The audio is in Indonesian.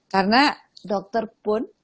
karena dokter pun